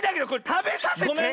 たべさせて。